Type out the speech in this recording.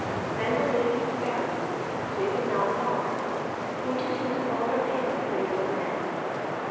Then the Lady Sparrow, as we will now call her, introduced all her family to the old man.